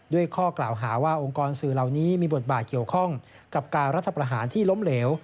ข้อกล่าวหาว่าองค์กรสื่อเหล่านี้มีบทบาทเกี่ยวข้องกับการรัฐประหารที่ล้มเหลว